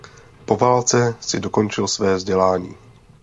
Po válce si dokončil své vzdělání.